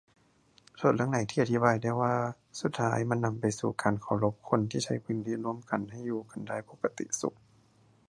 ส่วนเรื่องไหนที่อธิบายได้ว่า สุดท้ายมันนำไปสู่การเคารพคนที่ใช้พื้นที่ร่วมกันให้อยู่กันได้ปกติสุข